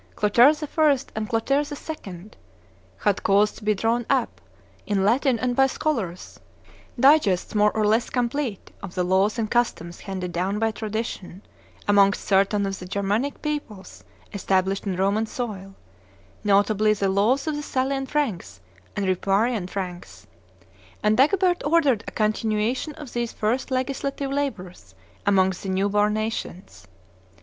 Clotaire I., and Clotaire II., had caused to be drawn up, in Latin and by scholars, digests more or less complete of the laws and customs handed down by tradition, amongst certain of the Germanic peoples established on Roman soil, notably the laws of the Salian Franks and Ripuarian Franks; and Dagobert ordered a continuation of these first legislative labors amongst the newborn nations.